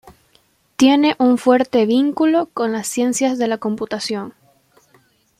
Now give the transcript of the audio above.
Tiene un fuerte vínculo con las ciencias de la computación.